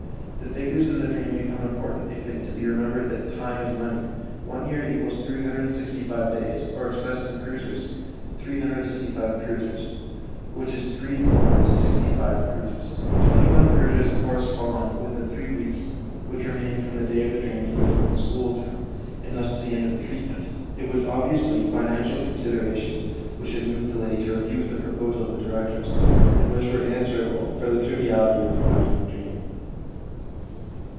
The figures in the dream become important if it be remembered that time is money. One year equals 365 days, or, expressed in kreuzers, 365 kreuzers, which is three florins sixty five kreuzers. The twenty one kreuzers correspond with the three weeks which remained from the day of the dream to the end of the school term, and thus to the end of the treatment. It was obviously financial considerations which had moved the lady to refuse the proposal of the directress, and which were answerable for the triviality of the amount in the dream.